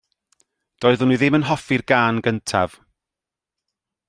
Doeddwn i ddim yn hoffi'r gân gyntaf.